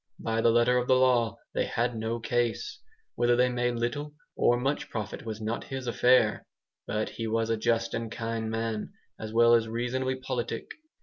By the letter of the law, they had no case. Whether they made little or much profit was not his affair. But he was a just and kindly man, as well as reasonably politic.